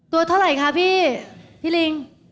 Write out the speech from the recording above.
ตัวเท่าไหร่คะพี่พี่ลิง